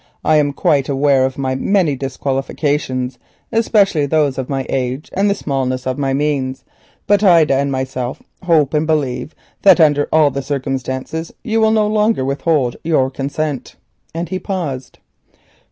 I am quite aware of my many disqualifications, especially those of my age and the smallness of my means; but Ida and myself hope and believe that under all the circumstances you will no longer withhold your consent," and he paused.